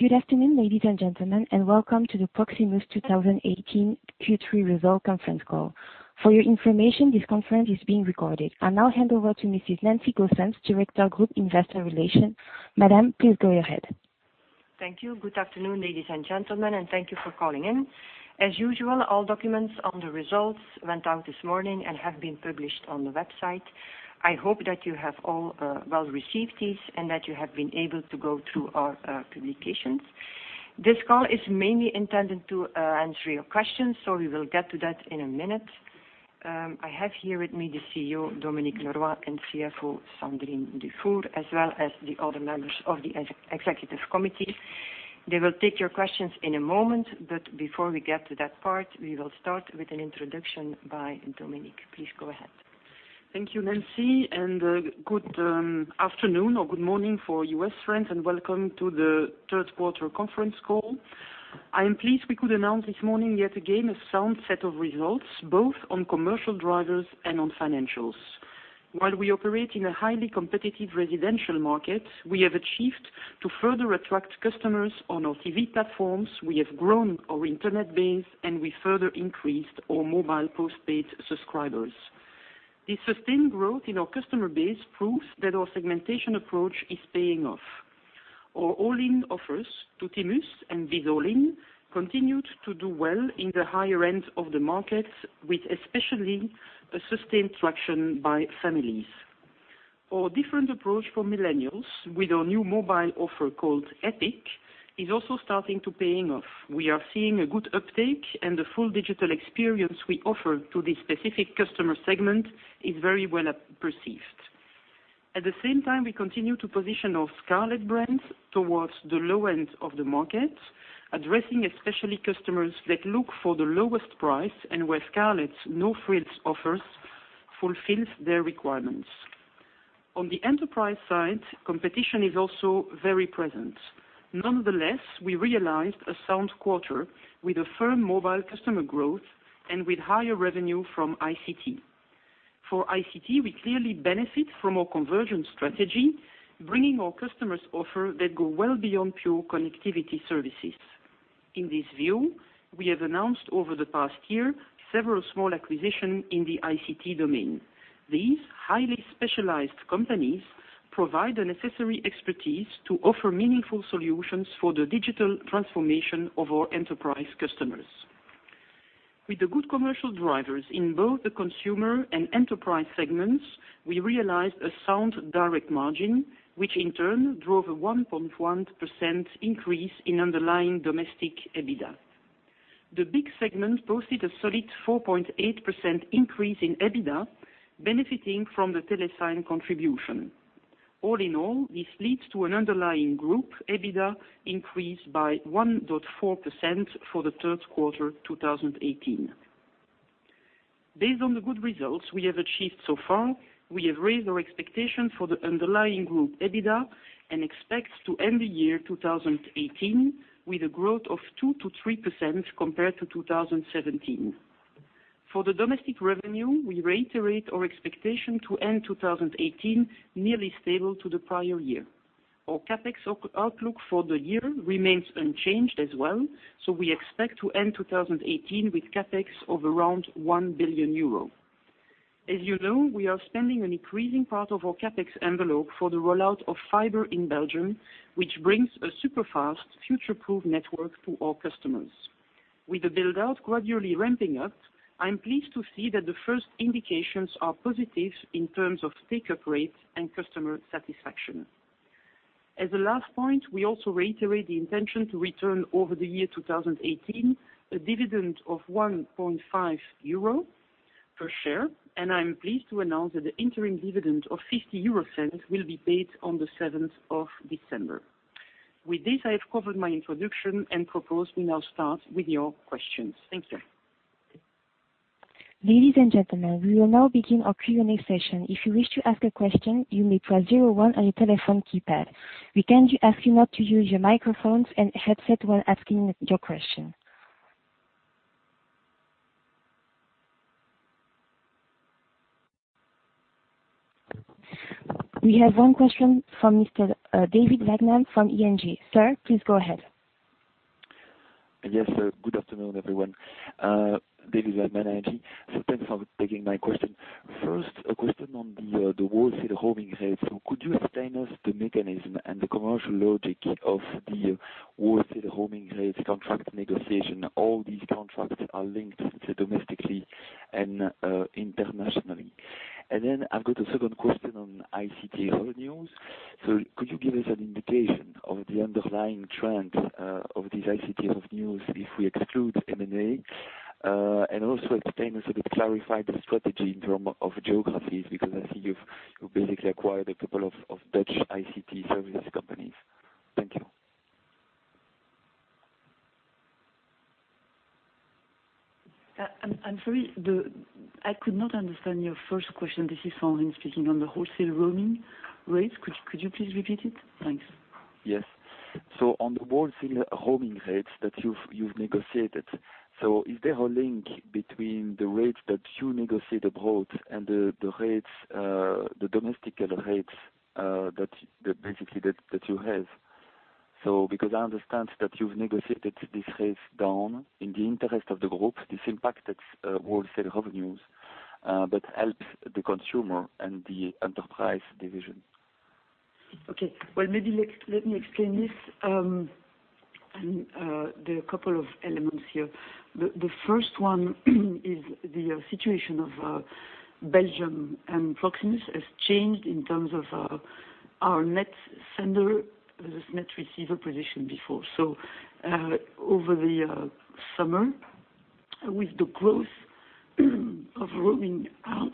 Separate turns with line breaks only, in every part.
Good afternoon, ladies and gentlemen, and welcome to the Proximus 2018 Q3 result conference call. For your information, this conference is being recorded. I now hand over to Mrs. Nancy Goossens, Director of Group Investor Relations. Madam, please go ahead.
Thank you. Good afternoon, ladies and gentlemen, and thank you for calling in. As usual, all documents on the results went out this morning and have been published on the website. I hope that you have all well received these and that you have been able to go through our communications. This call is mainly intended to answer your questions. We will get to that in a minute. I have here with me the CEO, Dominique Leroy, and CFO, Sandrine Dufour, as well as the other members of the executive committee. They will take your questions in a moment. Before we get to that part, we will start with an introduction by Dominique. Please go ahead.
Thank you, Nancy, and good afternoon or good morning for U.S. friends, and welcome to the third quarter conference call. I am pleased we could announce this morning yet again a sound set of results, both on commercial drivers and on financials. While we operate in a highly competitive residential market, we have achieved to further attract customers on our TV platforms. We have grown our internet base, and we further increased our mobile postpaid subscribers. This sustained growth in our customer base proves that our segmentation approach is paying off. Our all-in offers, Tuttimus and Bizz All-in, continued to do well in the higher end of the market, with especially a sustained traction by families. Our different approach for millennials with our new mobile offer called Epic is also starting to pay off. We are seeing a good uptake. The full digital experience we offer to this specific customer segment is very well perceived. At the same time, we continue to position our Scarlet brand towards the low end of the market, addressing especially customers that look for the lowest price and where Scarlet's no-frills offers fulfills their requirements. On the enterprise side, competition is also very present. Nonetheless, we realized a sound quarter with a firm mobile customer growth and with higher revenue from ICT. For ICT, we clearly benefit from our conversion strategy, bringing our customers offers that go well beyond pure connectivity services. In this view, we have announced over the past year several small acquisitions in the ICT domain. These highly specialized companies provide the necessary expertise to offer meaningful solutions for the digital transformation of our enterprise customers. With the good commercial drivers in both the consumer and enterprise segments, we realized a sound direct margin, which in turn drove a 1.1% increase in underlying domestic EBITDA. The BICS segment posted a solid 4.8% increase in EBITDA, benefiting from the Telesign contribution. All in all, this leads to an underlying group EBITDA increase by 1.4% for the third quarter 2018. Based on the good results we have achieved so far, we have raised our expectation for the underlying group EBITDA and expect to end the year 2018 with a growth of 2%-3% compared to 2017. For the domestic revenue, we reiterate our expectation to end 2018 nearly stable to the prior year. Our CapEx outlook for the year remains unchanged as well, we expect to end 2018 with CapEx of around 1 billion euro. As you know, we are spending an increasing part of our CapEx envelope for the rollout of fiber in Belgium, which brings a super-fast future-proof network to our customers. With the build-out gradually ramping up, I'm pleased to see that the first indications are positive in terms of take-up rates and customer satisfaction. As a last point, we also reiterate the intention to return over the year 2018 a dividend of 1.5 euro per share, and I'm pleased to announce that the interim dividend of 0.50 will be paid on the 7th of December. With this, I have covered my introduction and propose we now start with your questions. Thank you.
Ladies and gentlemen, we will now begin our Q&A session. If you wish to ask a question, you may press 01 on your telephone keypad. We kindly ask you not to use your microphones and headset while asking your question. We have one question from Mr. David Vagman from ING. Sir, please go ahead.
Yes, good afternoon, everyone. David Vagman, ING. Thanks for taking my question. First, a question on the wholesale roaming rates. Could you explain us the mechanism and the commercial logic of the wholesale roaming rates contract negotiation? All these contracts are linked domestically and internationally. Then I've got a second question on ICT revenues. Could you give us an indication of the underlying trends of these ICT revenues if we exclude M&A? Also explain us or clarify the strategy in term of geographies, because I see you've basically acquired a couple of Dutch ICT services companies. Thank you.
I'm sorry. I could not understand your first question. This is Sandrine speaking. On the wholesale roaming rates. Could you please repeat it? Thanks.
Yes. On the wholesale roaming rates that you've negotiated. Is there a link between the rates that you negotiate abroad and the domestic rates that basically that you have? Because I understand that you've negotiated these rates down in the interest of the group. This impacted wholesale revenues, but helped the consumer and the enterprise division.
Okay. Well, maybe let me explain this. There are a couple of elements here. The first one is the situation of Belgium and Proximus has changed in terms of our net sender. There was net receiver position before. Over the summer, with the growth of roaming out,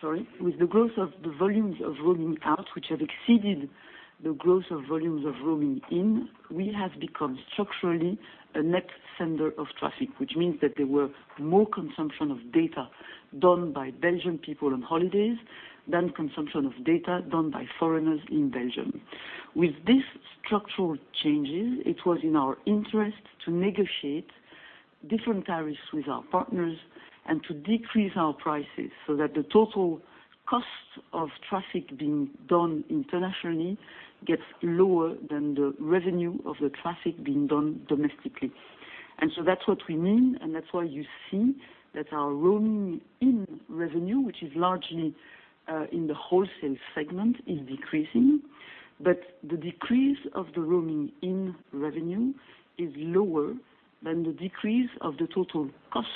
sorry. With the growth of the volumes of roaming out, which have exceeded the growth of volumes of roaming in, we have become structurally a net sender of traffic, which means that there were more consumption of data done by Belgian people on holidays than consumption of data done by foreigners in Belgium. With these structural changes, it was in our interest to negotiate different tariffs with our partners and to decrease our prices so that the total cost of traffic being done internationally gets lower than the revenue of the traffic being done domestically. That's what we mean, and that's why you see that our roaming-in revenue, which is largely in the wholesale segment, is decreasing. The decrease of the roaming-in revenue is lower than the decrease of the total cost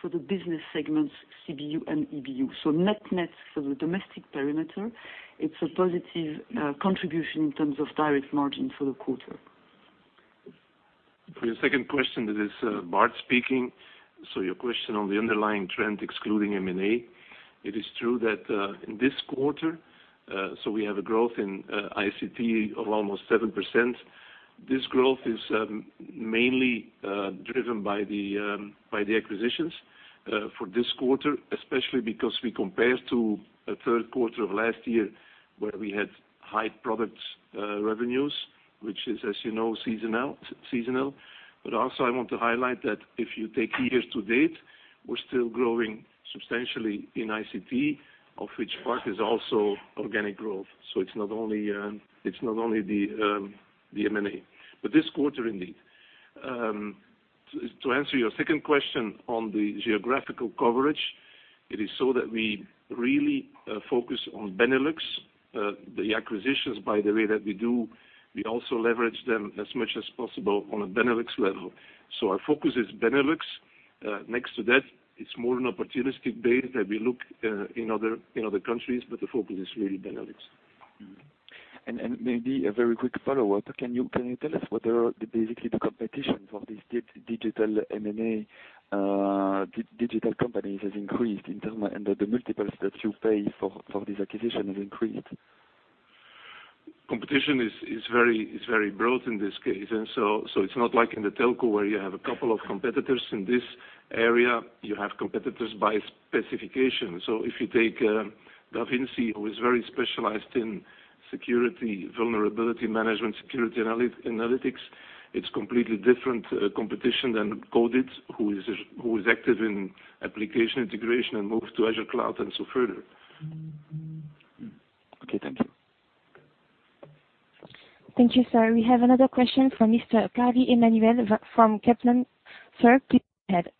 for the business segments, CBU and EBU. Net for the domestic perimeter, it's a positive contribution in terms of tariff margin for the quarter.
For your second question, this is Bart speaking. Your question on the underlying trend excluding M&A, it is true that in this quarter, we have a growth in ICT of almost 7%. This growth is mainly driven by the acquisitions for this quarter, especially because we compare to a third quarter of last year where we had high product revenues, which is, as you know, seasonal. Also, I want to highlight that if you take years to date, we're still growing substantially in ICT, of which part is also organic growth. It's not only the M&A, but this quarter, indeed. To answer your second question on the geographical coverage, it is so that we really focus on Benelux. The acquisitions, by the way, that we do, we also leverage them as much as possible on a Benelux level. Our focus is Benelux. Next to that, it's more an opportunistic base that we look in other countries, but the focus is really Benelux.
Maybe a very quick follow-up. Can you tell us whether basically the competition for these digital M&A, digital companies has increased in terms and the multiples that you pay for this acquisition has increased?
Competition is very broad in this case, it's not like in the telco where you have a couple of competitors in this area. You have competitors by specification. If you take Davinsi Labs, who is very specialized in security vulnerability management, security analytics, it's completely different competition than Codit, who is active in application integration and move to Azure cloud and so further.
Okay, thank you.
Thank you, sir. We have another question from Mr. Xavi Emmanuel from Kepler Cheuvreux. Sir, please go ahead.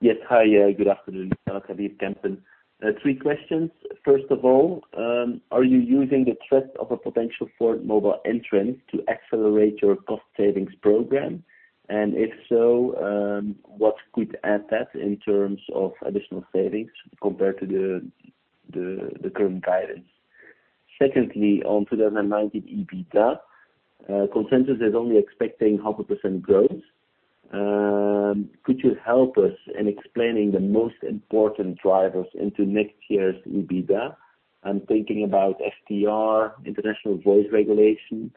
Yes. Hi, good afternoon. Xavi, Kepler Cheuvreux. Three questions. First of all, are you using the threat of a potential fourth mobile entrant to accelerate your cost savings program? If so, what could add that in terms of additional savings compared to the current guidance? Secondly, on 2019 EBITDA, consensus is only expecting half a % growth. Could you help us in explaining the most important drivers into next year's EBITDA? I'm thinking about FTR, international voice regulation,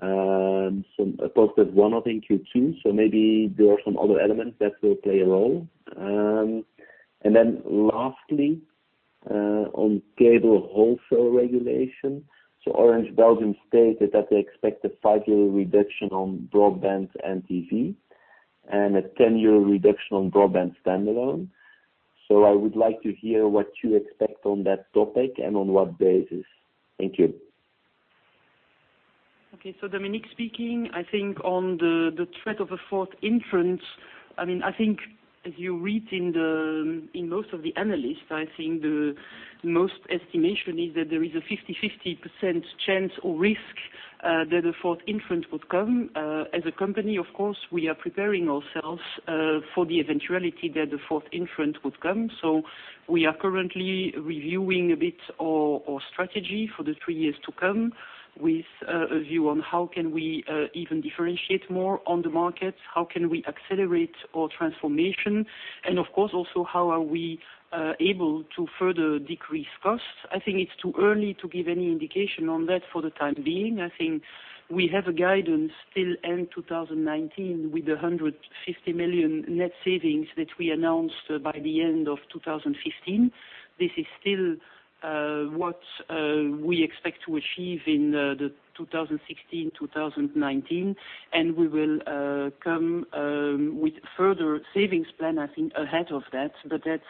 some posted one, I think, Q2, so maybe there are some other elements that will play a role. Lastly, on cable wholesale regulation. Orange Belgium stated that they expect a five-year reduction on broadband and TV and a 10-year reduction on broadband standalone. I would like to hear what you expect on that topic and on what basis. Thank you.
Okay, Dominique speaking, I think on the threat of a fourth entrant, I think as you read in most of the analysts, I think the most estimation is that there is a 50/50% chance or risk that a fourth entrant would come. As a company, of course, we are preparing ourselves for the eventuality that a fourth entrant would come. We are currently reviewing a bit our strategy for the three years to come with a view on how can we even differentiate more on the market, how can we accelerate our transformation, and of course, also, how are we able to further decrease costs. I think it's too early to give any indication on that for the time being. I think we have a guidance still end 2019 with the 150 million net savings that we announced by the end of 2015. This is still what we expect to achieve in 2016, 2019. We will come with further savings plan, I think, ahead of that. That's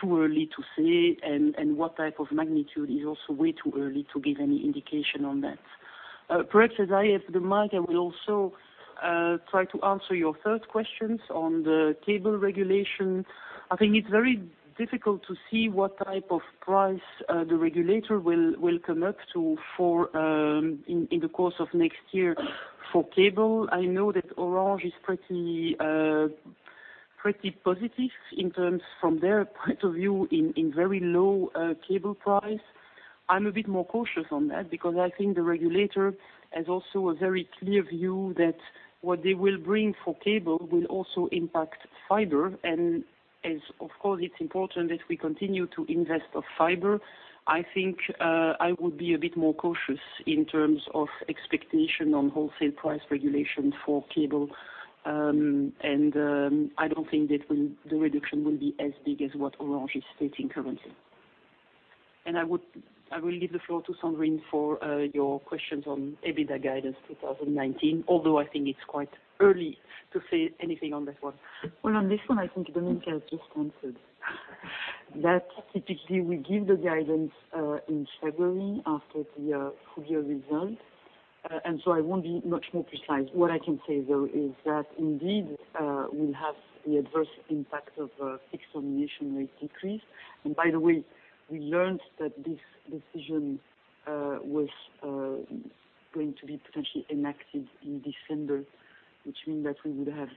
too early to say. What type of magnitude is also way too early to give any indication on that. Perhaps as I have the mic, I will also try to answer your third questions on the cable regulation. I think it's very difficult to see what type of price the regulator will come up to in the course of next year for cable. I know that Orange is pretty positive in terms from their point of view in very low cable price. I'm a bit more cautious on that because I think the regulator has also a very clear view that what they will bring for cable will also impact fiber. As, of course, it's important that we continue to invest in fiber. I think, I would be a bit more cautious in terms of expectation on wholesale price regulation for cable. I don't think that the reduction will be as big as what Orange is stating currently. I will leave the floor to Sandrine for your questions on EBITDA guidance 2019, although I think it's quite early to say anything on that one.
Well, on this one, I think Dominique has just answered. That typically we give the guidance in February after the full year results. I won't be much more precise. What I can say though is that indeed, we'll have the adverse impact of fixed termination rate decrease. By the way, we learned that this decision was going to be potentially enacted in December, which means that we would have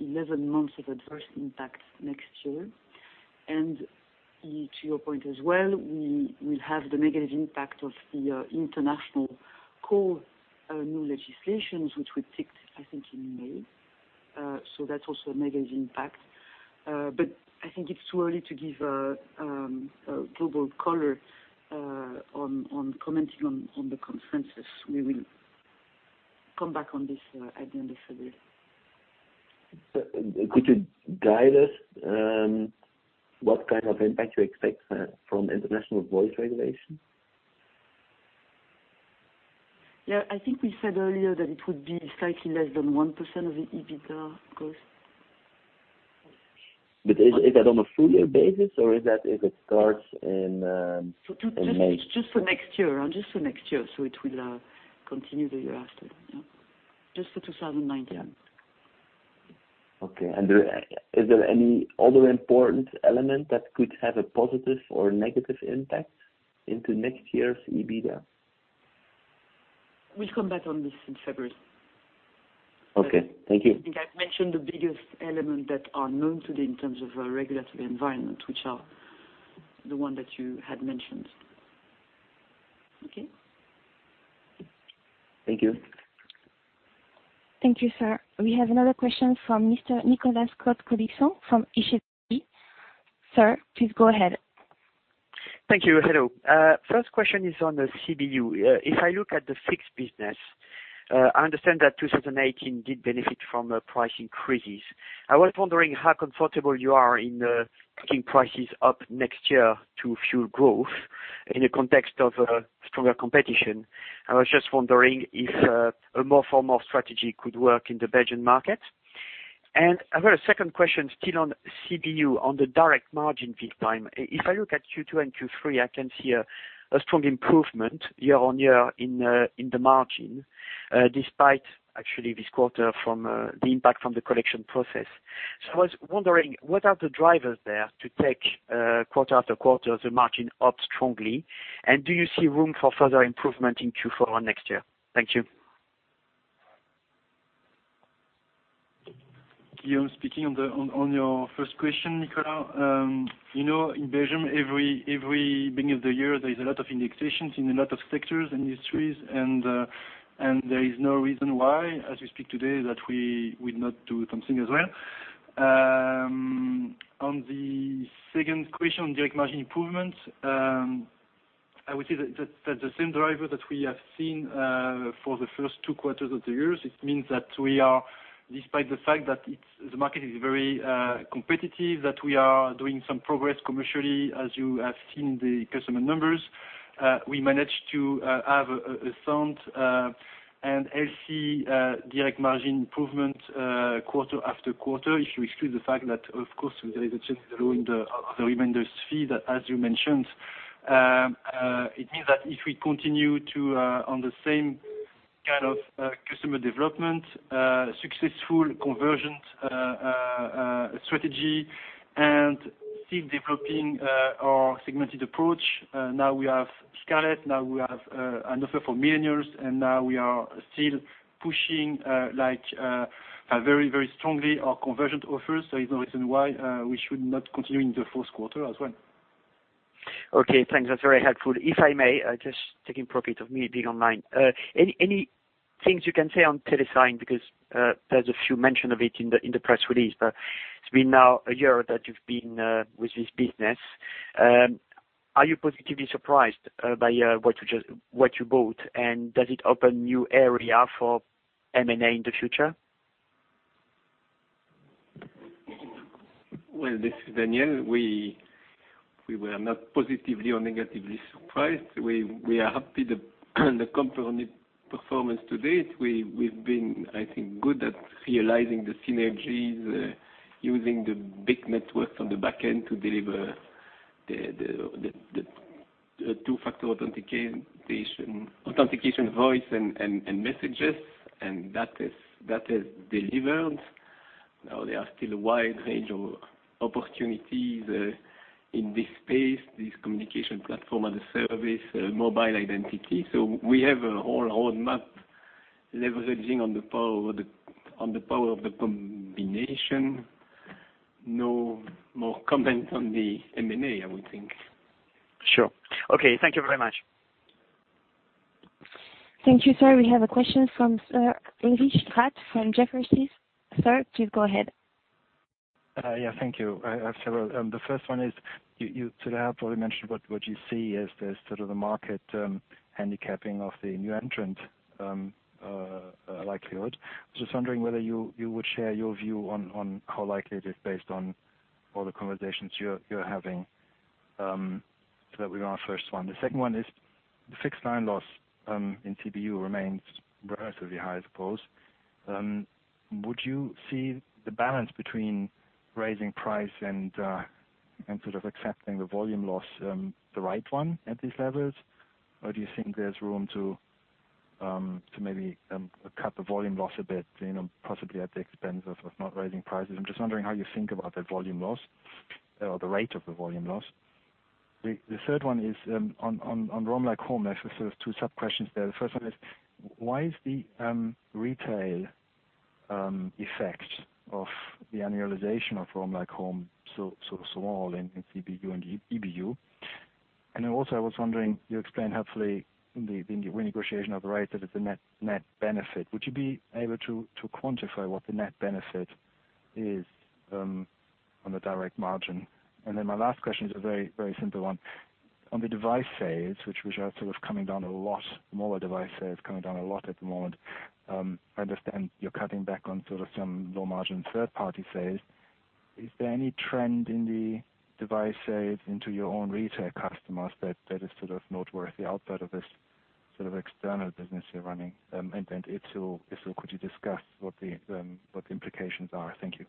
11 months of adverse impact next year. To your point as well, we will have the negative impact of the international call new legislations, which we picked, I think, in May. That's also a negative impact. I think it's too early to give a global color on commenting on the consequences. We will come back on this at the end of February.
Could you guide us what kind of impact you expect from international voice regulation?
Yeah, I think we said earlier that it would be slightly less than 1% of the EBITDA cost.
Is that on a full year basis, or is that if it starts in May?
Just for next year. It will continue the year after. Just for 2019.
Okay. Is there any other important element that could have a positive or negative impact into next year's EBITDA?
We'll come back on this in February.
Okay. Thank you.
I think I've mentioned the biggest element that are known today in terms of regulatory environment, which are the one that you had mentioned. Okay?
Thank you.
Thank you, sir. We have another question from Mr. Nicolas Cote-Colisson from HSBC. Sir, please go ahead.
Thank you. Hello. First question is on the CBU. If I look at the fixed business, I understand that 2018 did benefit from price increases. I was wondering how comfortable you are in taking prices up next year to fuel growth in the context of stronger competition. I was just wondering if a more formal strategy could work in the Belgian market. I've got a second question still on CBU on the direct margin this time. If I look at Q2 and Q3, I can see a strong improvement year-on-year in the margin, despite actually this quarter from the impact from the collection process. I was wondering, what are the drivers there to take quarter after quarter the margin up strongly, and do you see room for further improvement in Q4 next year? Thank you.
Guillaume speaking. On your first question, Nicolas. In Belgium, every beginning of the year, there is a lot of indexations in a lot of sectors and industries, there is no reason why, as we speak today, that we would not do something as well. On the second question, direct margin improvement, I would say that the same driver that we have seen for the first two quarters of the year. It means that despite the fact that the market is very competitive, that we are doing some progress commercially, as you have seen the customer numbers. We managed to have a sound and healthy direct margin improvement quarter after quarter. If you exclude the fact that, of course, there is a change in the reminders fee, as you mentioned. It means that if we continue on the same kind of customer development, successful conversion strategy, still developing our segmented approach. We have Scarlet, we have an offer for millennials, and we are still pushing very strongly our conversion offers. There's no reason why we should not continue in the fourth quarter as well.
Okay, thanks. That's very helpful. If I may, just taking profit of me being online. Any things you can say on Telesign, because there's a few mention of it in the press release, but it's been now a year that you've been with this business. Are you positively surprised by what you bought, does it open new area for M&A in the future?
This is Daniel. We were not positively or negatively surprised. We are happy with the company performance to date. We've been, I think, good at realizing the synergies, using the big networks on the back end to deliver
The two-factor authentication, voice and messages, that is delivered. There are still a wide range of opportunities in this space, this communication platform as a service, mobile identity. We have a whole roadmap leveraging on the power of the combination. No more comments on the M&A, I would think.
Sure. Okay. Thank you very much.
Thank you, sir. We have a question from Sir Ulrich Rathe from Jefferies. Sir, please go ahead.
Yeah, thank you. I have several. The first one is, you still have probably mentioned what you see as the market handicapping of the new entrant likelihood. Just wondering whether you would share your view on how likely it is based on all the conversations you're having. That would be my first one. The second one is the fixed line loss in CBU remains relatively high, I suppose. Would you see the balance between raising price and accepting the volume loss, the right one at these levels? Or do you think there's room to maybe cut the volume loss a bit, possibly at the expense of not raising prices? I'm just wondering how you think about that volume loss or the rate of the volume loss. The third one is on Roam Like at Home, actually sort of two sub-questions there. The first one is, why is the retail effect of the annualization of Roam Like at Home so small in CBU and EBU? Also I was wondering, you explained hopefully in the renegotiation of the rate that is the net benefit. Would you be able to quantify what the net benefit is on the direct margin? My last question is a very simple one. On the device sales, which are coming down a lot, mobile device sales coming down a lot at the moment. I understand you're cutting back on some low-margin third-party sales. Is there any trend in the device sales into your own retail customers that is noteworthy outside of this external business you're running? If so, could you discuss what the implications are? Thank you.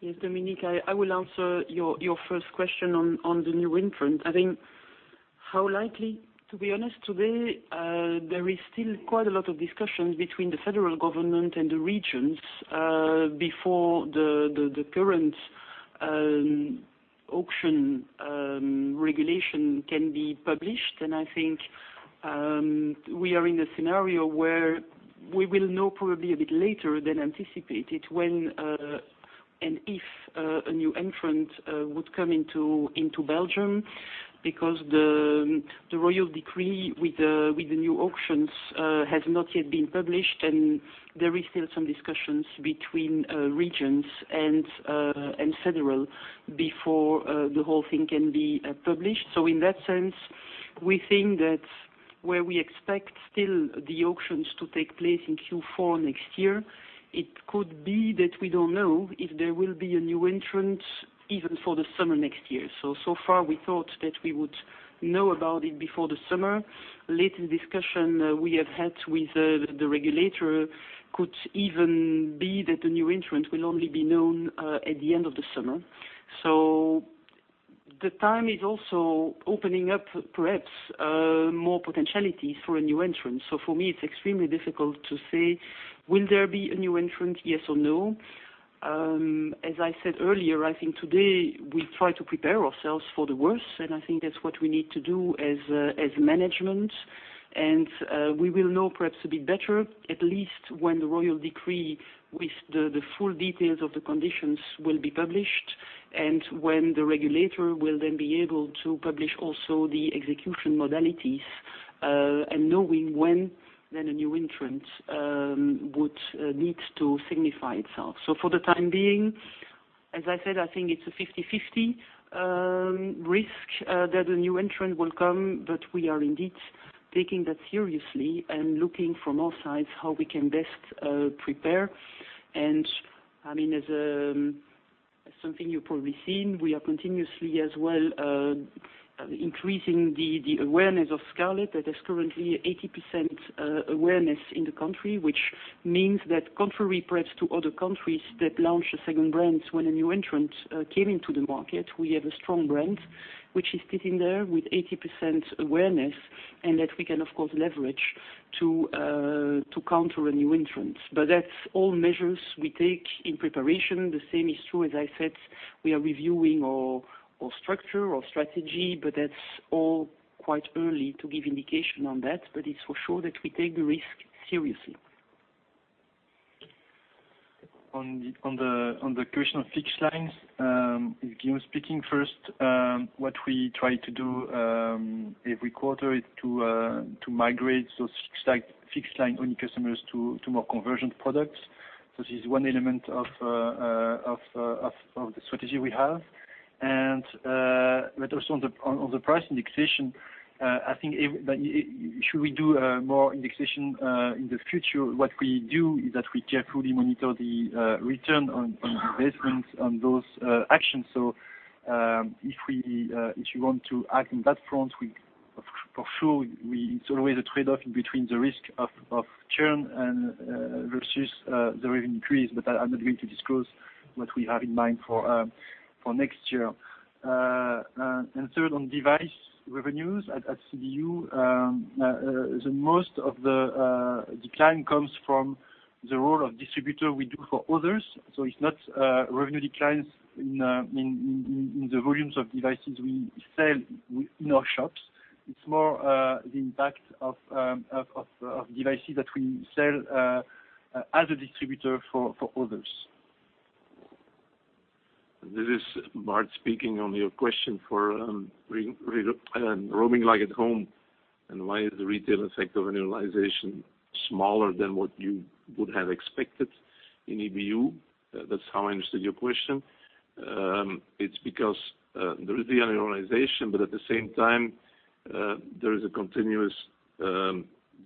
Yes, Dominique, I will answer your first question on the new entrant. I think how likely, to be honest today, there is still quite a lot of discussions between the federal government and the regions, before the current auction regulation can be published. I think, we are in a scenario where we will know probably a bit later than anticipated when, and if, a new entrant would come into Belgium, because the royal decree with the new auctions has not yet been published, and there is still some discussions between regions and federal before the whole thing can be published. In that sense, we think that where we expect still the auctions to take place in Q4 next year, it could be that we don't know if there will be a new entrant even for the summer next year. So far we thought that we would know about it before the summer. Late in discussion we have had with the regulator could even be that the new entrant will only be known at the end of the summer. The time is also opening up, perhaps, more potentiality for a new entrant. For me, it's extremely difficult to say, will there be a new entrant, yes or no? As I said earlier, I think today we try to prepare ourselves for the worst, and I think that's what we need to do as management. We will know perhaps a bit better, at least when the royal decree with the full details of the conditions will be published, and when the regulator will then be able to publish also the execution modalities, and knowing when then a new entrant would need to signify itself. For the time being, as I said, I think it's a 50/50 risk that a new entrant will come, but we are indeed taking that seriously and looking from all sides how we can best prepare. As something you've probably seen, we are continuously as well increasing the awareness of Scarlet that is currently 80% awareness in the country, which means that contrary perhaps to other countries that launch a second brand when a new entrant came into the market. We have a strong brand, which is sitting there with 80% awareness and that we can of course leverage to counter a new entrant. That's all measures we take in preparation. The same is true, as I said, we are reviewing our structure, our strategy, but that's all quite early to give indication on that. It's for sure that we take the risk seriously.
On the question of fixed lines, Guillaume speaking first. What we try to do every quarter is to migrate those fixed line only customers to more convergent products. This is one element of the strategy we have. Also on the price indexation, I think should we do more indexation in the future, what we do is that we carefully monitor the return on the investments on those actions. If you want to act on that front, we for sure, it's always a trade-off between the risk of churn versus the revenue increase, but I'm not going to disclose what we have in mind for next year. Third, on device revenues at CBU, the most of the decline comes from the role of distributor we do for others. It's not revenue declines in the volumes of devices we sell in our shops. It's more the impact of devices that we sell as a distributor for others.
This is Bart speaking on your question for Roam Like at Home and why the retailer sector annualization smaller than what you would have expected in EBU. That's how I understood your question. It's because there is the annualization, but at the same time, there is a continuous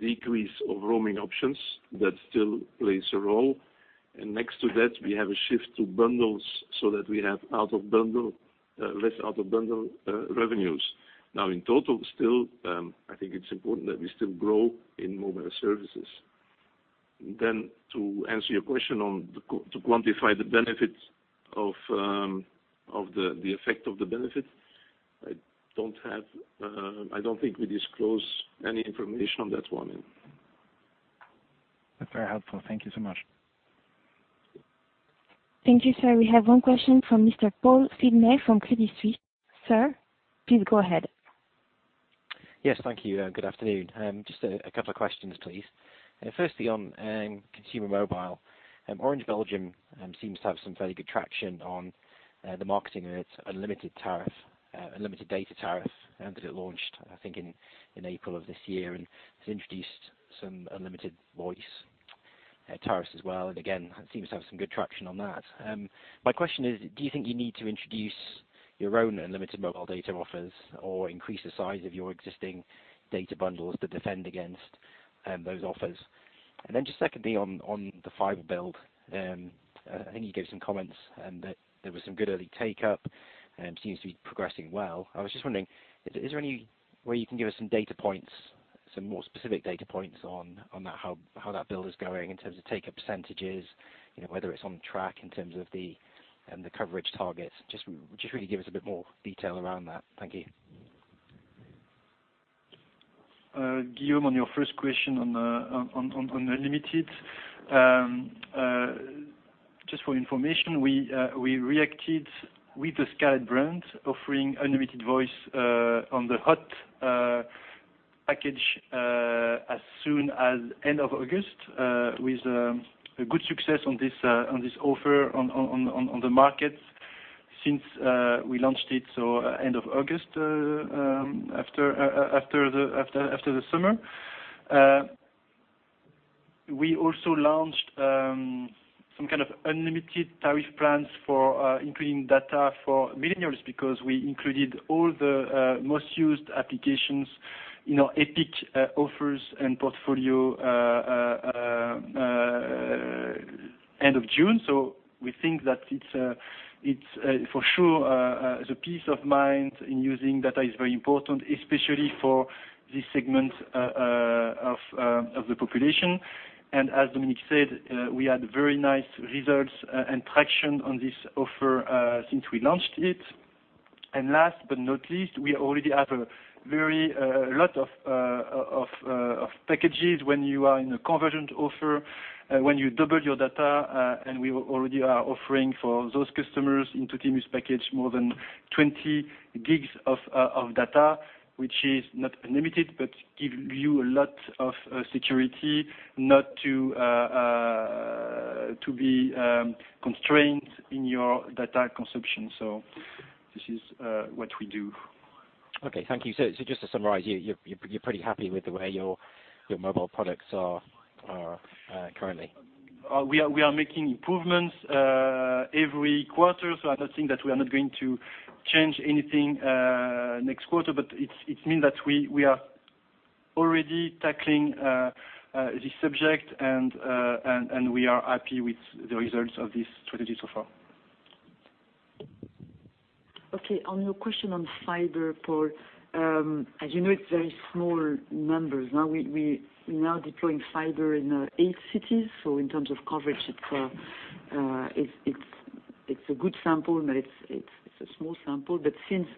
decrease of roaming options that still plays a role. Next to that, we have a shift to bundles so that we have less out-of-bundle revenues. In total, still, I think it's important that we still grow in mobile services. To answer your question on to quantify the benefits of the effect of the benefit, I don't think we disclose any information on that one.
That's very helpful. Thank you so much.
Thank you, sir. We have one question from Mr. Paul Sidney from Credit Suisse. Sir, please go ahead.
Yes, thank you. Good afternoon. Just a couple of questions, please. Firstly, on consumer mobile, Orange Belgium seems to have some fairly good traction on the marketing of its unlimited data tariff that it launched, I think, in April of this year and has introduced some unlimited voice tariffs as well. Again, it seems to have some good traction on that. My question is, do you think you need to introduce your own unlimited mobile data offers or increase the size of your existing data bundles to defend against those offers? Just secondly, on the fiber build, I think you gave some comments that there was some good early take-up and it seems to be progressing well. I was just wondering, is there any way you can give us some more specific data points on how that build is going in terms of take-up percentages, whether it's on track in terms of the coverage targets? Just really give us a bit more detail around that. Thank you.
Guillaume, on your first question on the unlimited. Just for information, we reacted with the Scarlet brand, offering unlimited voice on the hot package as soon as end of August, with a good success on this offer on the market since we launched it, so end of August, after the summer. We also launched some kind of unlimited tariff plans for including data for millennials because we included all the most used applications in our Epic offers and portfolio end of June. We think that it's for sure the peace of mind in using data is very important, especially for this segment of the population. As Dominique said, we had very nice results and traction on this offer since we launched it. Last but not least, we already have a lot of packages when you are in a convergent offer, when you double your data, and we already are offering for those customers in Tuttimus package more than 20 GB of data, which is not unlimited but give you a lot of security not to be constrained in your data consumption. This is what we do.
Okay, thank you. Just to summarize, you're pretty happy with the way your mobile products are currently.
We are making improvements every quarter, so I don't think that we are not going to change anything next quarter, but it means that we are already tackling this subject and we are happy with the results of this strategy so far.
Okay, on your question on fiber, Paul. As you know, it's very small numbers. Now we're now deploying fiber in eight cities. In terms of coverage, it's a good sample, but it's a small sample. Since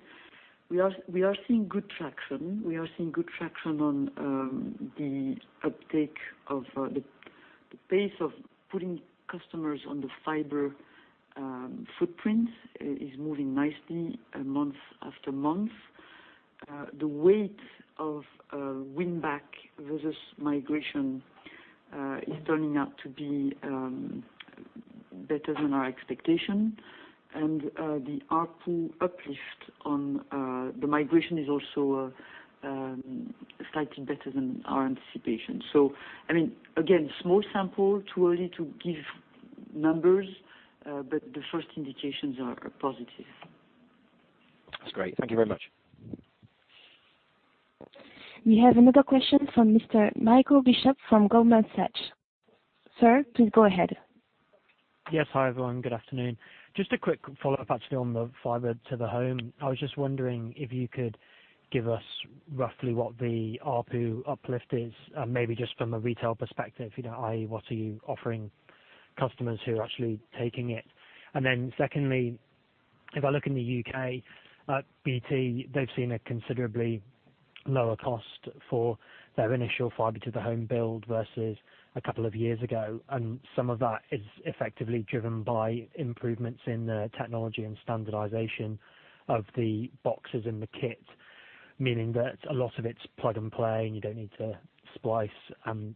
we are seeing good traction, we are seeing good traction on the uptake of the pace of putting customers on the fiber footprint is moving nicely month after month. The weight of win-back versus migration is turning out to be better than our expectation. The ARPU uplift on the migration is also slightly better than our anticipation. Again, small sample, too early to give numbers, but the first indications are positive.
That's great. Thank you very much.
We have another question from Mr. Michael Bishop from Goldman Sachs. Sir, please go ahead.
Yes. Hi, everyone. Good afternoon. Just a quick follow-up actually on the fiber to the home. I was just wondering if you could give us roughly what the ARPU uplift is, maybe just from a retail perspective, i.e., what are you offering customers who are actually taking it? Secondly, if I look in the U.K. at BT, they've seen a considerably lower cost for their initial fiber to the home build versus a couple of years ago, and some of that is effectively driven by improvements in the technology and standardization of the boxes and the kit, meaning that a lot of it's plug and play, and you don't need to splice and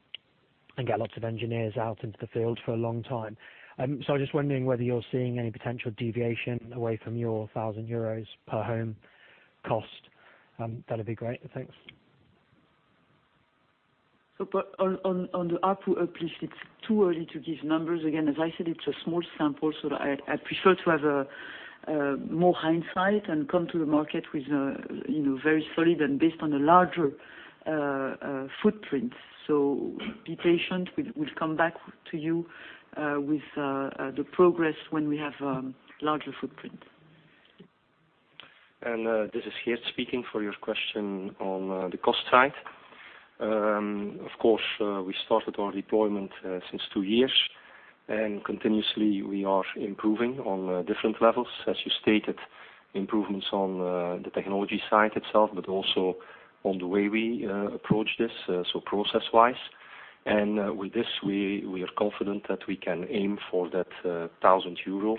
get lots of engineers out into the field for a long time. I was just wondering whether you're seeing any potential deviation away from your 1,000 euros per home cost. That'd be great. Thanks.
On the ARPU uplift, it's too early to give numbers. Again, as I said, it's a small sample, I prefer to have more hindsight and come to the market with very solid and based on a larger footprint. Be patient. We'll come back to you with the progress when we have larger footprint.
This is Geert speaking for your question on the cost side. Of course, we started our deployment since two years, and continuously we are improving on different levels, as you stated, improvements on the technology side itself, but also on the way we approach this, process-wise. With this, we are confident that we can aim for that 1,000 euro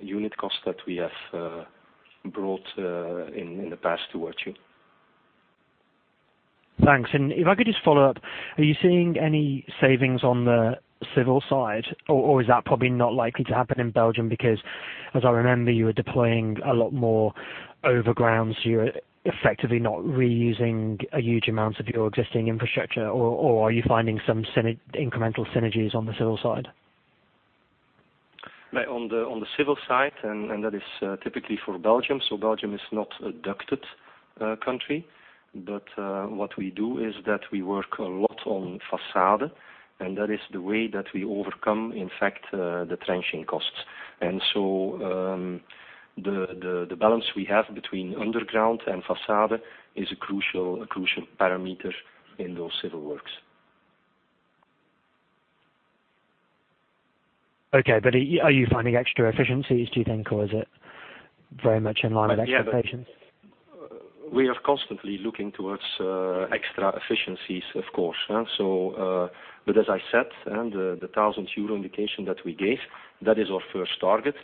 unit cost that we have brought in the past towards you.
Thanks. If I could just follow up, are you seeing any savings on the civil side, or is that probably not likely to happen in Belgium? Because as I remember, you were deploying a lot more overgrounds. You're effectively not reusing a huge amount of your existing infrastructure, or are you finding some incremental synergies on the civil side?
On the civil side, and that is typically for Belgium, so Belgium is not a ducted country, but what we do is that we work a lot on façade, and that is the way that we overcome, in fact, the trenching costs. The balance we have between underground and façade is a crucial parameter in those civil works.
Okay. Are you finding extra efficiencies, do you think, or is it very much in line with expectations?
We are constantly looking towards extra efficiencies, of course. As I said, the 1,000 euro indication that we gave, that is our first target.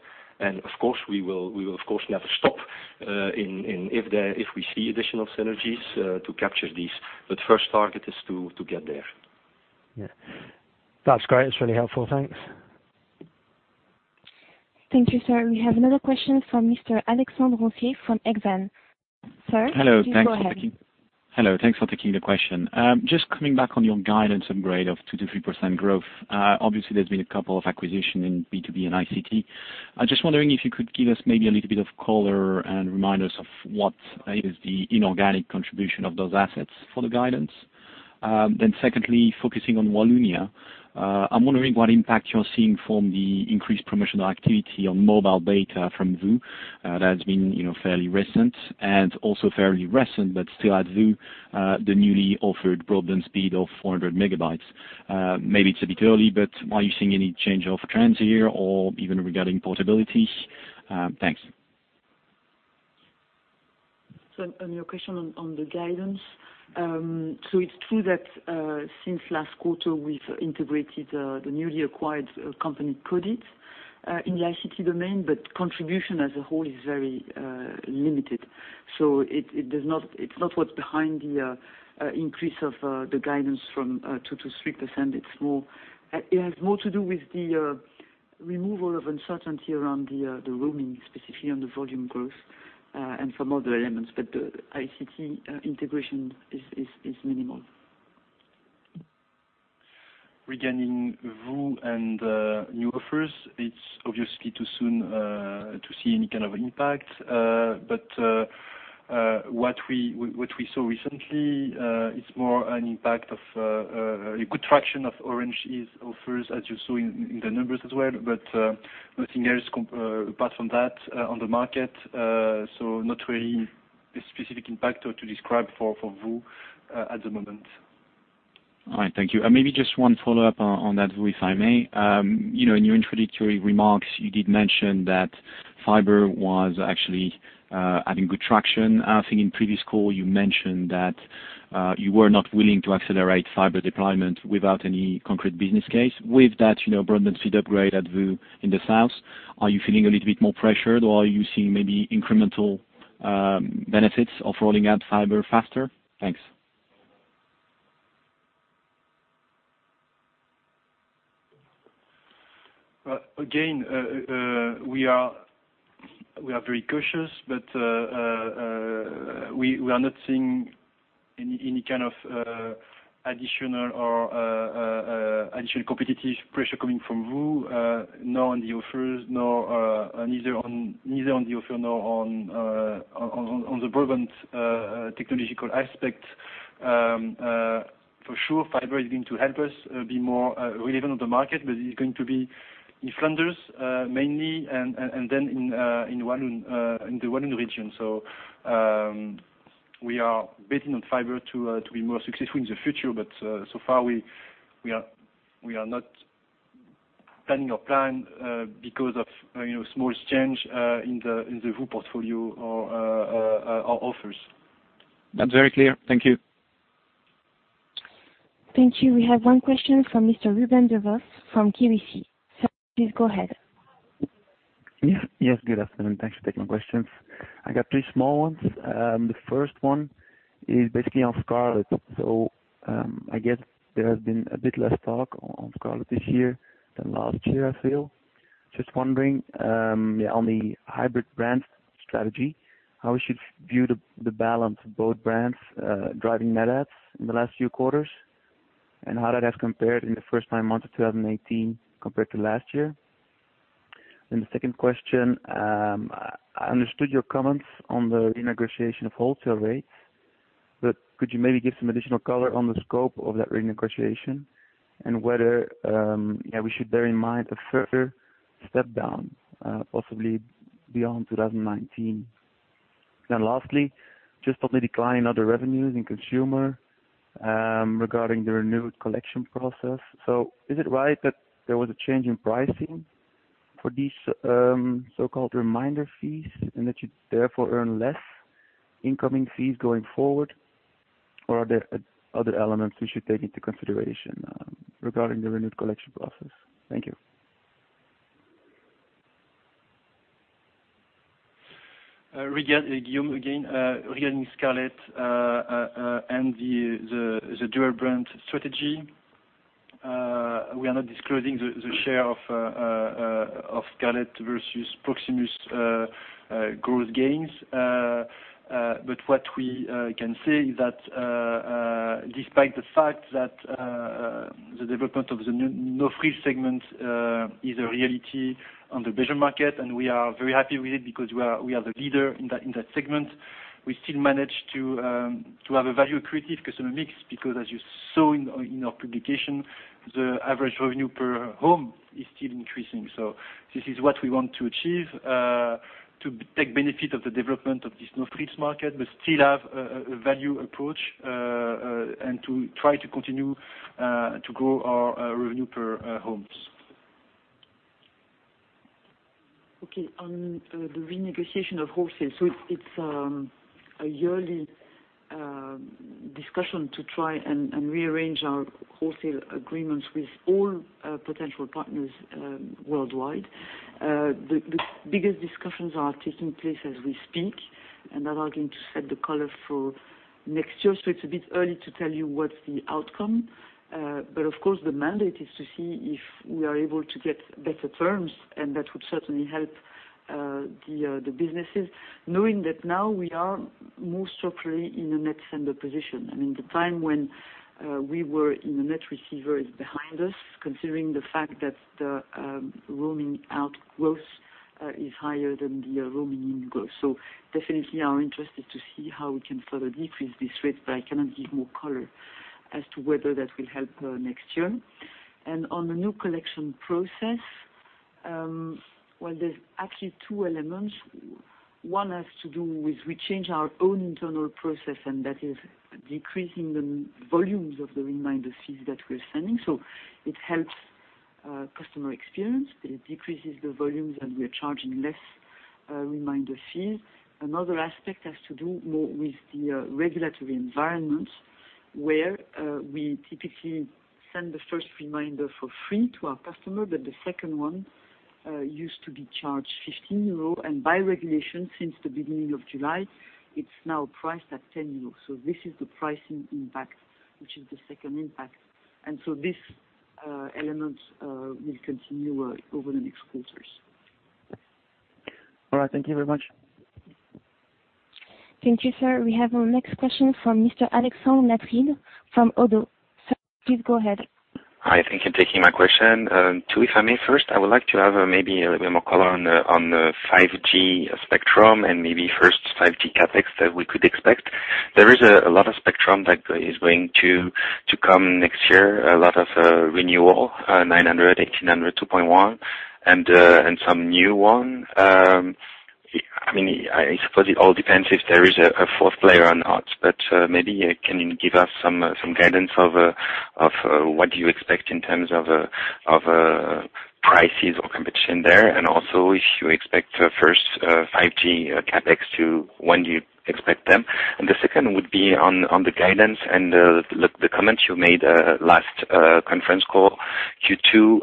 Of course, we will never stop if we see additional synergies to capture these. First target is to get there.
Yeah. That's great. It's really helpful. Thanks.
Thank you, sir. We have another question from Mr. Alexandre Butcher from Exane. Sir, please go ahead.
Coming back on your guidance upgrade of 2% to 3% growth. Obviously, there's been a couple of acquisition in B2B and ICT. Wondering if you could give us maybe a little bit of color and remind us of what is the inorganic contribution of those assets for the guidance. Secondly, focusing on Wallonia, I'm wondering what impact you're seeing from the increased promotional activity on mobile data from VOO that's been fairly recent and also fairly recent, but still at VOO, the newly offered broadband speed of 400 megabytes. Maybe it's a bit early, but are you seeing any change of trends here or even regarding possibilities? Thanks.
On your question on the guidance. It's true that, since last quarter, we've integrated the newly acquired company, Codit, in ICT domain, but contribution as a whole is very limited. It's not what's behind the increase of the guidance from 2% to 3%. It has more to do with the removal of uncertainty around the roaming, specifically on the volume growth, and from other elements. The ICT integration is minimal. Regarding VOO and new offers, it's obviously too soon to see any kind of impact. What we saw recently, it's more an impact of a good traction of Orange's offers, as you saw in the numbers as well, but nothing else apart from that on the market. Not really a specific impact to describe for VOO at the moment.
All right. Thank you. Maybe just one follow-up on that, VOO, if I may. In your introductory remarks, you did mention that fiber was actually adding good traction. I think in previous call you mentioned that you were not willing to accelerate fiber deployment without any concrete business case. With that broadband speed upgrade at VOO in the south, are you feeling a little bit more pressured, or are you seeing maybe incremental benefits of rolling out fiber faster? Thanks.
Again, we are very cautious, but we are not seeing any kind of additional competitive pressure coming from VOO. Neither on the offer nor on the broadband technological aspect.
For sure, fiber is going to help us be more relevant on the market, but it's going to be in Flanders mainly and then in the Walloon region. We are betting on fiber to be more successful in the future. So far, we are not planning a plan because of a small exchange in the VOO portfolio or offers.
That's very clear. Thank you.
Thank you. We have one question from Mr. Ruben Devos from KBC. Sir, please go ahead.
Yes. Good afternoon. Thanks for taking my questions. I got three small ones. The first one is basically on Scarlet. I guess there has been a bit less talk on Scarlet this year than last year, I feel. Just wondering, on the hybrid brand strategy, how we should view the balance of both brands driving net adds in the last few quarters, and how that has compared in the first nine months of 2018 compared to last year? The second question. I understood your comments on the renegotiation of wholesale rates, but could you maybe give some additional color on the scope of that renegotiation? And whether we should bear in mind a further step down, possibly beyond 2019. Lastly, just on the decline in other revenues in consumer, regarding the renewed collection process. Is it right that there was a change in pricing for these so-called reminder fees, and that you therefore earn less incoming fees going forward? Or are there other elements we should take into consideration regarding the renewed collection process? Thank you.
Guillaume again. Regarding Scarlet and the dual brand strategy. We are not disclosing the share of Scarlet versus Proximus growth gains. What we can say is that despite the fact that the development of the no-frills segment is a reality on the Belgium market, and we are very happy with it because we are the leader in that segment. We still manage to have a value accretive customer mix because as you saw in our publication, the average revenue per home is still increasing. This is what we want to achieve, to take benefit of the development of this no-frills market, but still have a value approach, and to try to continue to grow our revenue per homes.
Okay. On the renegotiation of wholesale. It's a yearly discussion to try and rearrange our wholesale agreements with all potential partners worldwide. The biggest discussions are taking place as we speak, and that are going to set the color for next year. It's a bit early to tell you what's the outcome. Of course, the mandate is to see if we are able to get better terms, and that would certainly help the businesses, knowing that now we are more structurally in a net sender position. The time when we were in a net receiver is behind us, considering the fact that the roaming out growth is higher than the roaming in growth. Definitely are interested to see how we can further decrease this rate, but I cannot give more color as to whether that will help next year. On the new collection process. Well, there's actually two elements. One has to do with, we change our own internal process, and that is decreasing the volumes of the reminder fees that we're sending. It helps customer experience. It decreases the volumes, and we are charging less reminder fees. Another aspect has to do more with the regulatory environment, where we typically send the first reminder for free to our customer. The second one used to be charged 15 euros, and by regulation, since the beginning of July, it's now priced at 10 euros. This is the pricing impact, which is the second impact. This element will continue over the next quarters.
All right. Thank you very much.
Thank you, sir. We have our next question from Mr. Alexandre de Leeuw from Oddo. Sir, please go ahead.
Hi, thank you for taking my question. Two, if I may. First, I would like to have maybe a little bit more color on the 5G spectrum and maybe first 5G CapEx that we could expect. There is a lot of spectrum that is going to come next year. A lot of renewal, 900, 1800, 2.1, and some new one. I suppose it all depends if there is a fourth player or not, maybe can you give us some guidance of what you expect in terms of prices or competition there? Also if you expect first 5G CapEx to when do you expect them? The second would be on the guidance and the comments you made last conference call, Q2.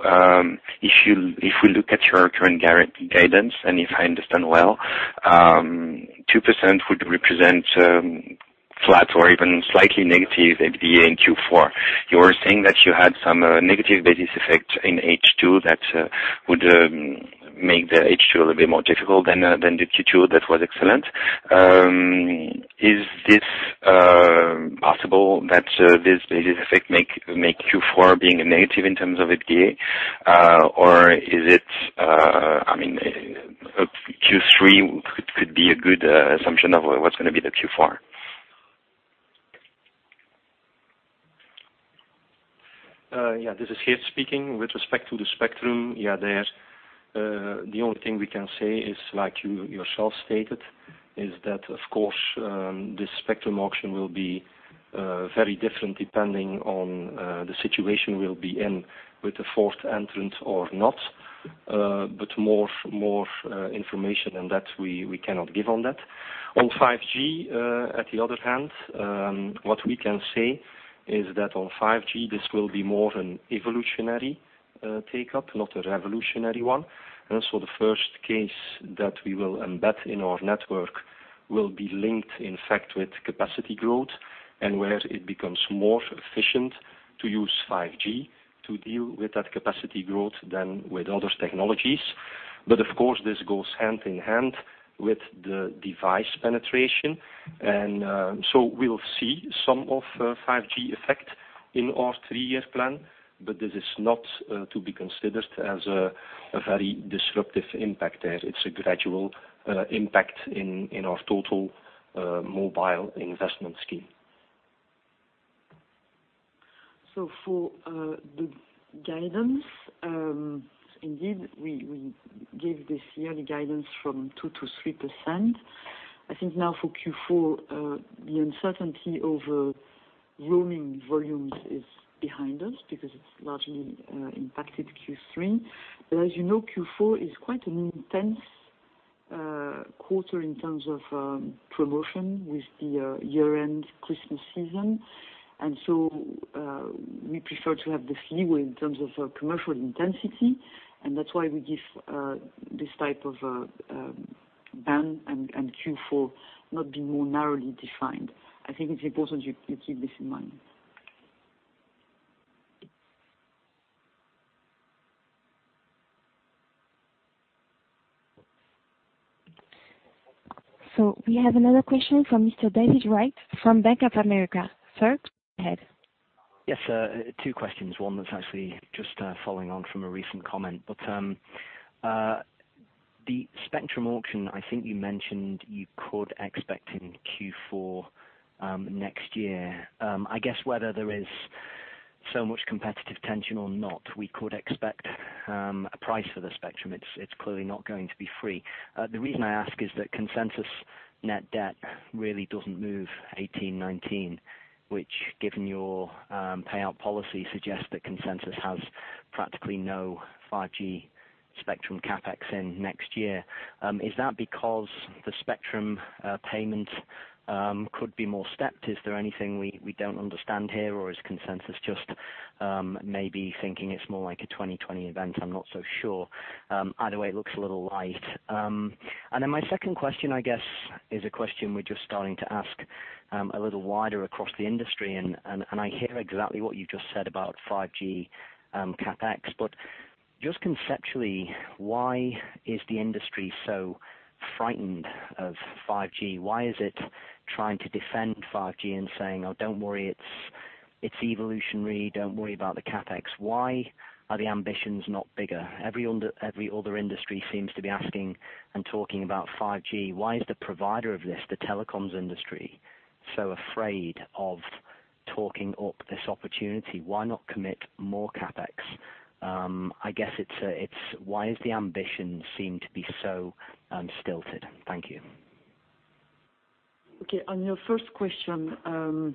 If we look at your current guidance, and if I understand well, 2% would represent flat or even slightly negative EBITDA in Q4. You were saying that you had some negative basis effect in H2 that would make the H2 a little bit more difficult than the Q2 that was excellent. Is this possible that this basis effect make Q4 being a negative in terms of EBITDA? Is it Q3. Could be a good assumption of what's going to be the Q4.
Yeah. This is Geert speaking. With respect to the spectrum, yeah, the only thing we can say is like you yourself stated, is that, of course, this spectrum auction will be very different depending on the situation we'll be in with the fourth entrant or not. More information than that, we cannot give on that. On 5G, at the other hand, what we can say is that on 5G, this will be more an evolutionary take-up, not a revolutionary one. The first case that we will embed in our network will be linked in fact with capacity growth and where it becomes more efficient to use 5G to deal with that capacity growth than with other technologies. Of course, this goes hand in hand with the device penetration. We'll see some of 5G effect in our three-year plan, but this is not to be considered as a very disruptive impact there. It's a gradual impact in our total mobile investment scheme.
For the guidance, indeed we gave this yearly guidance from 2% to 3%. I think now for Q4, the uncertainty over roaming volumes is behind us because it's largely impacted Q3. As you know, Q4 is quite an intense quarter in terms of promotion with the year-end Christmas season. We prefer to have the leeway in terms of commercial intensity, and that's why we give this type of band and Q4 not being more narrowly defined. I think it's important you keep this in mind.
We have another question from Mr. David Wright from Bank of America. Sir, go ahead.
Yes, two questions. One that's actually just following on from a recent comment. The spectrum auction, I think you mentioned you could expect in Q4, next year. I guess whether there is so much competitive tension or not, we could expect a price for the spectrum. It's clearly not going to be free. The reason I ask is that consensus net debt really doesn't move 2018/2019, which given your payout policy, suggests that consensus has practically no 5G spectrum CapEx in next year. Is that because the spectrum payment could be more stepped? Is there anything we don't understand here or is consensus just maybe thinking it's more like a 2020 event? I'm not so sure. Either way, it looks a little light. My second question, I guess is a question we're just starting to ask a little wider across the industry and I hear exactly what you've just said about 5G CapEx, just conceptually, why is the industry so frightened of 5G? Why is it trying to defend 5G and saying, "Oh, don't worry, it's evolutionary. Don't worry about the CapEx." Why are the ambitions not bigger? Every other industry seems to be asking and talking about 5G. Why is the provider of this, the telecoms industry, so afraid of talking up this opportunity? Why not commit more CapEx? I guess it's why is the ambition seem to be so stilted? Thank you.
Okay. On your first question,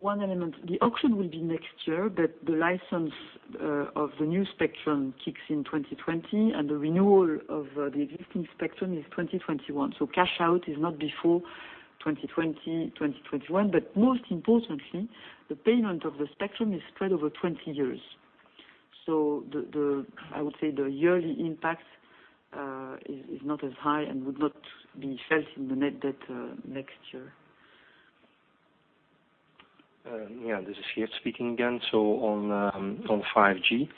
one element, the auction will be next year, the license of the new spectrum kicks in 2020, and the renewal of the existing spectrum is 2021. Cash out is not before 2020, 2021. Most importantly, the payment of the spectrum is spread over 20 years. I would say the yearly impact is not as high and would not be felt in the net debt next year.
Yeah, this is Geert speaking again. On 5G.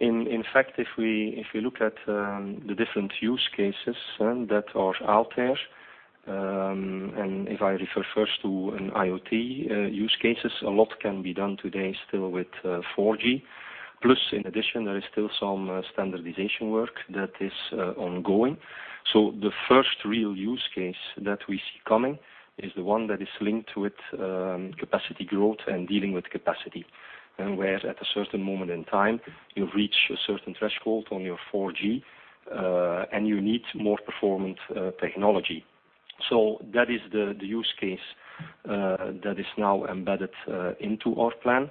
In fact, if we look at the different use cases that are out there, and if I refer first to an IoT use cases, a lot can be done today still with 4G. Plus, in addition, there is still some standardization work that is ongoing. The first real use case that we see coming is the one that is linked with capacity growth and dealing with capacity, and where at a certain moment in time you reach a certain threshold on your 4G, and you need more performant technology. That is the use case that is now embedded into our plan,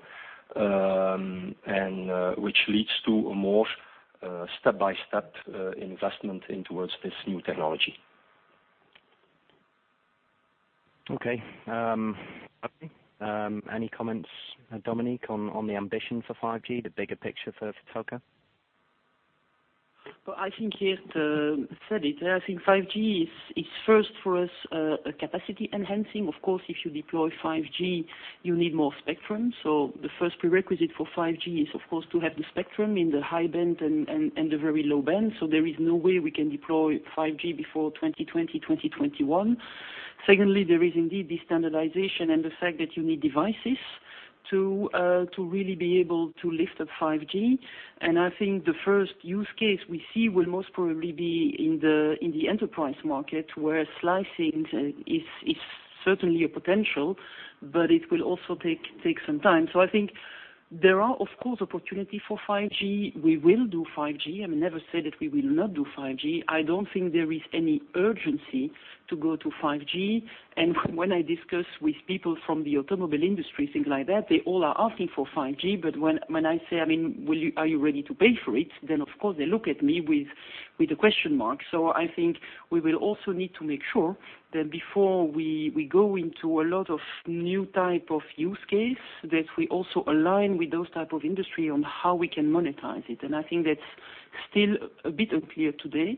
and which leads to a more step-by-step investment in towards this new technology.
Okay. Any comments, Dominique, on the ambition for 5G, the bigger picture for Proximus?
Well, I think Geert said it. I think 5G is first for us, a capacity enhancing. Of course, if you deploy 5G, you need more spectrum. The first prerequisite for 5G is of course to have the spectrum in the high band and the very low band. There is no way we can deploy 5G before 2020, 2021. Secondly, there is indeed the standardization and the fact that you need devices. To really be able to lift up 5G. I think the first use case we see will most probably be in the enterprise market, where slicing is certainly a potential, but it will also take some time. I think there are, of course, opportunity for 5G. We will do 5G. I never said that we will not do 5G. I don't think there is any urgency to go to 5G. When I discuss with people from the automobile industry, things like that, they all are asking for 5G, but when I say, "Are you ready to pay for it?" Of course, they look at me with a question mark. I think we will also need to make sure that before we go into a lot of new type of use case, that we also align with those type of industry on how we can monetize it. I think that's still a bit unclear today.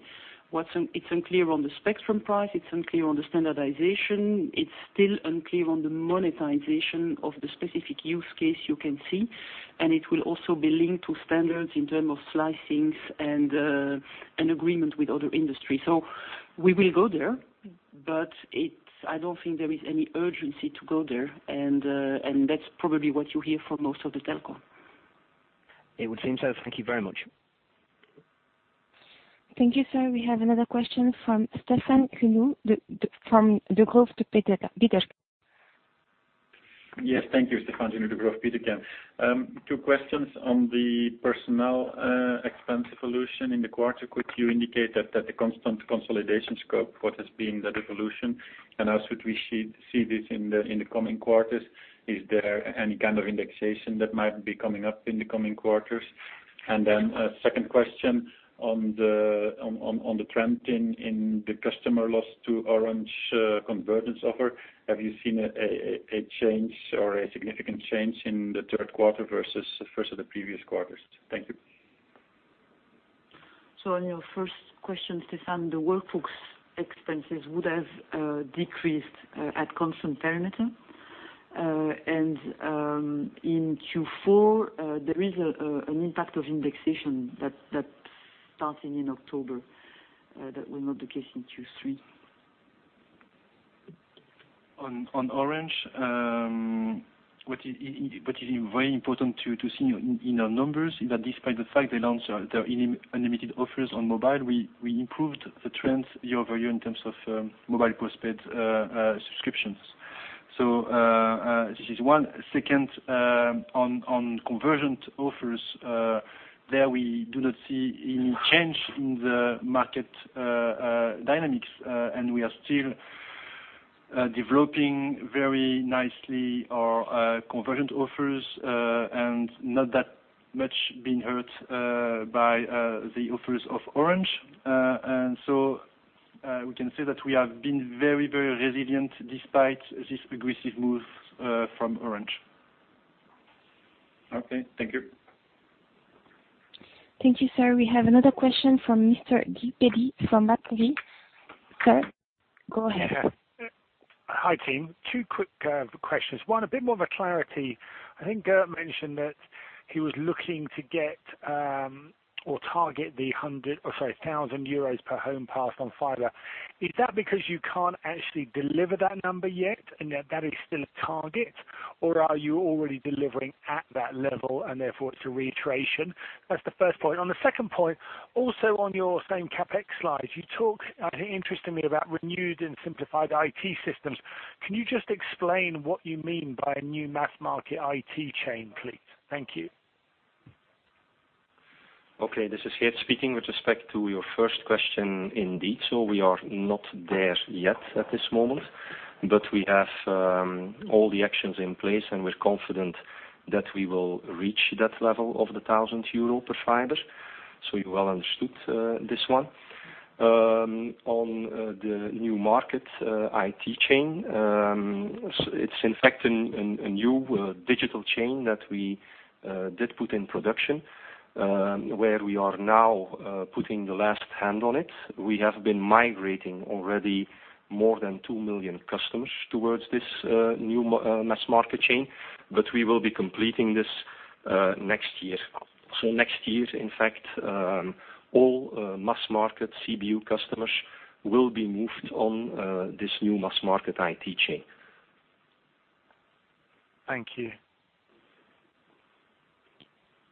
It's unclear on the spectrum price, it's unclear on the standardization. It's still unclear on the monetization of the specific use case you can see, and it will also be linked to standards in term of slicings and agreement with other industry. We will go there, but I don't think there is any urgency to go there, and that's probably what you hear from most of the telco.
It would seem so. Thank you very much.
Thank you, sir. We have another question from Stefaan Genoe from Degroof Petercam.
Yes. Thank you. Stefaan Genoe, Degroof Petercam. Two questions on the personnel expense evolution in the quarter. Could you indicate that the constant consolidation scope, what has been the evolution, and how should we see this in the coming quarters? Is there any kind of indexation that might be coming up in the coming quarters? A second question on the trend in the customer loss to Orange convergence offer. Have you seen a change or a significant change in the third quarter versus the first of the previous quarters? Thank you.
On your first question, Stefaan, the workforce expenses would have decreased at constant perimeter. In Q4, there is an impact of indexation that's starting in October. That was not the case in Q3.
On Orange, what is very important to see in our numbers is that despite the fact they launched their unlimited offers on mobile, we improved the trends year-over-year in terms of mobile postpaid subscriptions. This is one. Second, on convergent offers, there we do not see any change in the market dynamics. We are still developing very nicely our convergent offers, and not that much being hurt by the offers of Orange. We can say that we have been very resilient despite this aggressive move from Orange.
Okay. Thank you.
Thank you, sir. We have another question from Mr. Guy Peddy from Macquarie. Sir, go ahead.
Hi, team. Two quick questions. One, a bit more of a clarity. I think Geert mentioned that he was looking to get or target the 1,000 euros per home passed on fiber. Is that because you can't actually deliver that number yet and that that is still a target, or are you already delivering at that level and therefore it's a reiteration? That's the first point. On the second point, also on your same CapEx slide, you talk interestingly about renewed and simplified IT systems. Can you just explain what you mean by a new mass market IT chain, please? Thank you.
This is Geert speaking. With respect to your first question, indeed, so we are not there yet at this moment, but we have all the actions in place, and we're confident that we will reach that level of the 1,000 euro per fiber. You well understood this one. On the new market IT chain, it's in fact a new digital chain that we did put in production, where we are now putting the last hand on it. We have been migrating already more than 2 million customers towards this new mass market chain, we will be completing this next year. Next year, in fact, all mass market CBU customers will be moved on this new mass market IT chain.
Thank you.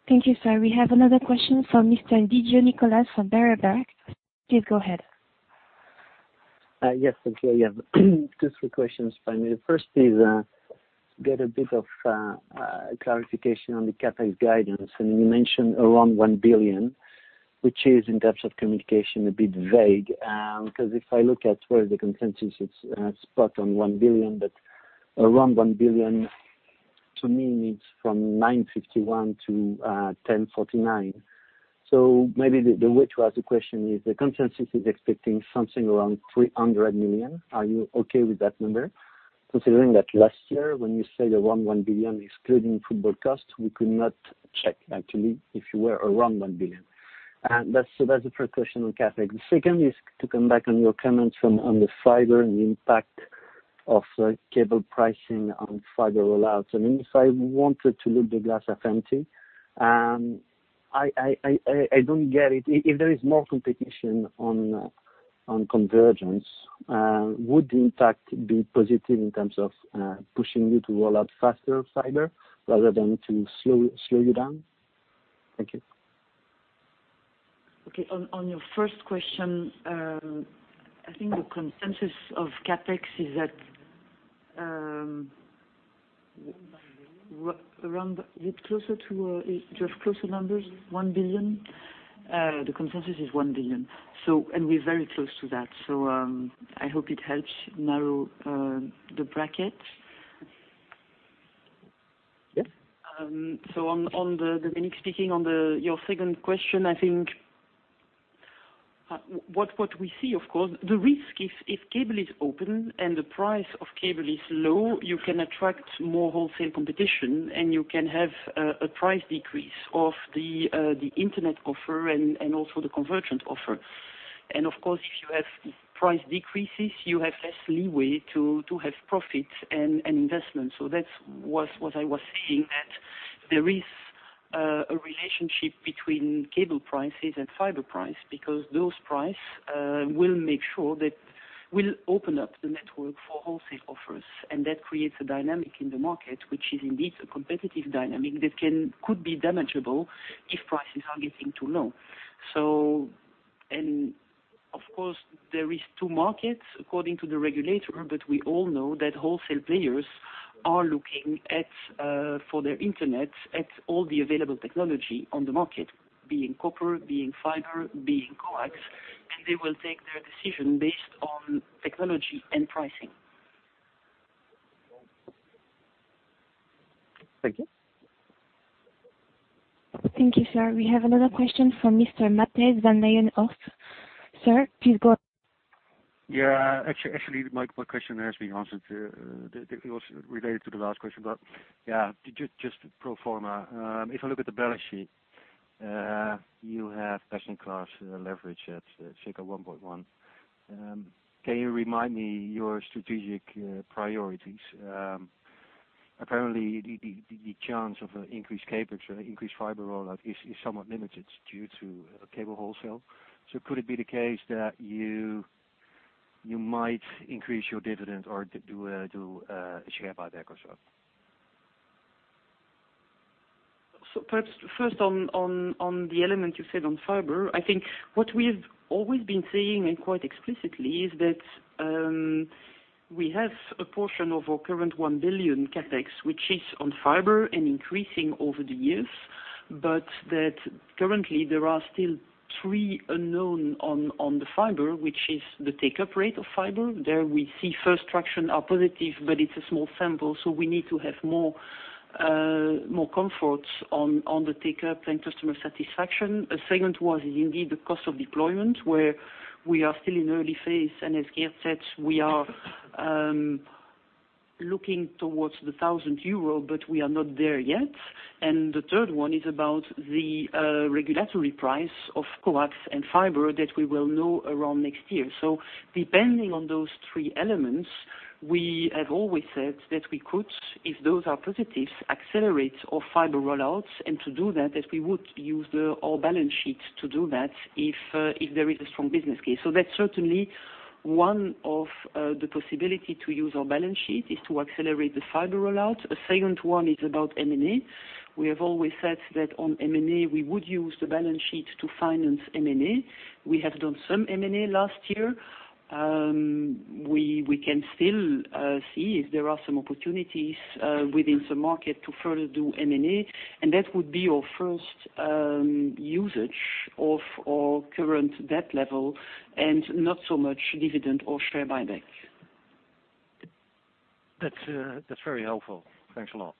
Thank you, sir. We have another question from Mr. Didier Nicolas from Berenberg. Please go ahead.
Yes. Okay. Yeah. Two quick questions for me. The first is get a bit of clarification on the CapEx guidance, you mentioned around 1 billion, which is, in terms of communication, a bit vague. Because if I look at where the consensus is spot on 1 billion, but around 1 billion to me, it's from 951 to 1,049. So maybe the way to ask the question is, the consensus is expecting something around 300 million. Are you okay with that number? Considering that last year when you said around 1 billion, excluding football cost, we could not check actually if you were around 1 billion. That's the first question on CapEx. The second is to come back on your comments on the fiber and the impact of cable pricing on fiber rollouts. If I wanted to look the glass as empty, I don't get it. If there is more competition on convergence, would the impact be positive in terms of pushing you to roll out faster fiber rather than to slow you down? Thank you.
Okay. On your first question, I think the consensus of CapEx is that around, do you have closer numbers? One billion? The consensus is one billion. We're very close to that. I hope it helps narrow the bracket.
Yes.
Dominique speaking. On your second question, I think what we see, of course, the risk if cable is open and the price of cable is low, you can attract more wholesale competition, and you can have a price decrease of the internet offer and also the convergent offer. Of course, if you have price decreases, you have less leeway to have profits and investment. That's what I was saying, that there is a relationship between cable prices and fiber price, because those price will make sure that we'll open up the network for wholesale offers. That creates a dynamic in the market, which is indeed a competitive dynamic that could be damageable if prices are getting too low. Of course, there is two markets according to the regulator, but we all know that wholesale players are looking for their internet at all the available technology on the market, being copper, being fiber, being coax, and they will take their decision based on technology and pricing.
Thank you.
Thank you, sir. We have another question from Mr. Matthijs van Meijeren. Sir, please go on.
Yeah. Actually, my question has been answered. It was related to the last question, but just pro forma. If I look at the balance sheet, you have EBITDA class leverage at, I think, a 1.1. Can you remind me your strategic priorities? Apparently, the chance of increased CapEx or increased fiber rollout is somewhat limited due to cable wholesale. Could it be the case that you might increase your dividend or do a share buyback or so?
First, on the element you said on fiber, I think what we've always been saying, and quite explicitly, is that we have a portion of our current 1 billion CapEx, which is on fiber and increasing over the years, but that currently there are still three unknown on the fiber, which is the take-up rate of fiber. There we see first traction are positive, but it's a small sample, so we need to have more comfort on the take-up and customer satisfaction. The second one is indeed the cost of deployment, where we are still in early phase, and as Geert said, we are looking towards the 1,000 euro, but we are not there yet. The third one is about the regulatory price of coax and fiber that we will know around next year. Depending on those three elements, we have always said that we could, if those are positives, accelerate our fiber rollouts, and to do that we would use our balance sheet to do that if there is a strong business case. That's certainly one of the possibility to use our balance sheet is to accelerate the fiber rollout. A second one is about M&A. We have always said that on M&A, we would use the balance sheet to finance M&A. We have done some M&A last year. We can still see if there are some opportunities within the market to further do M&A, and that would be our first usage of our current debt level and not so much dividend or share buyback.
That's very helpful. Thanks a lot.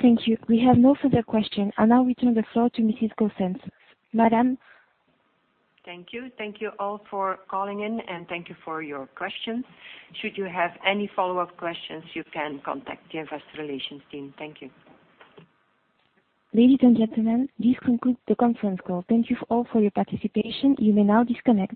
Thank you. We have no further question. I now return the floor to Mrs. Goossens. Madame?
Thank you. Thank you all for calling in, and thank you for your questions. Should you have any follow-up questions, you can contact the investor relations team. Thank you.
Ladies and gentlemen, this concludes the conference call. Thank you all for your participation. You may now disconnect.